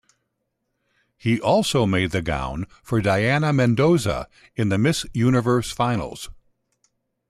He also made the gown for Dayana Mendoza in the Miss Universe finals.